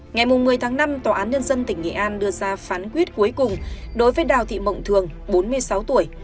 ngày một mươi tháng năm tòa án nhân dân tỉnh nghệ an đưa ra phán quyết cuối cùng đối với đào thị mộng thường bốn mươi sáu tuổi